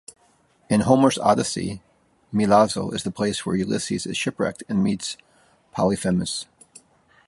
In Homer's "Odyssey" Milazzo is the place where Ulysses is shipwrecked and meets Polyphemus.